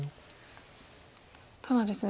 ただですね